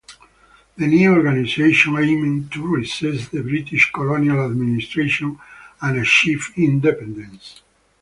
The new organisation aimed to resist the British colonial administration and achieve independence.